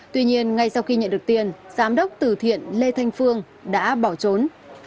tuy nhiên ngay sau khi nhận được tiền giám đốc tử thiện lê thanh phương đã bỏ trốn